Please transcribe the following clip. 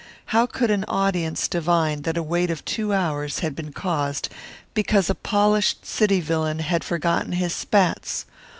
How could an audience divine that a wait of two hours had been caused because a polished city villain had forgotten his spats?